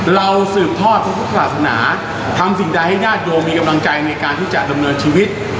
สืบทอดทุกศาสนาทำสิ่งใดให้ญาติโยมมีกำลังใจในการที่จะดำเนินชีวิต